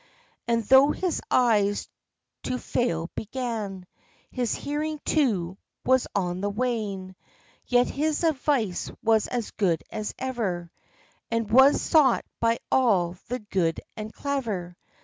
And, though his eyes to fail began, His hearing, too, was on the wane, Yet his advice was as good as ever, And was sought by all the good and clever.